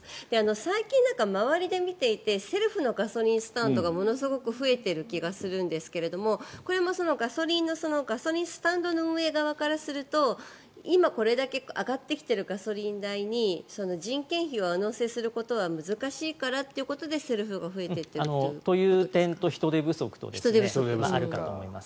最近、周りで見ていてセルフのガソリンスタンドがものすごく増えている気がするんですがこれもガソリンスタンドの運営側からすると今、これだけ上がってきているガソリン代に人件費を上乗せすることは難しいということでセルフが増えてるということですか。という点と、人手不足とあるかなと思います。